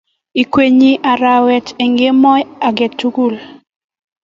Ikwenyi arawet eng kemoi kotugul